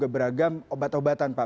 beragam obat obatan pak